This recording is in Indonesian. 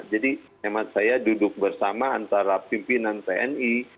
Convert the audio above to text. jadi memang saya duduk bersama antara pimpinan tni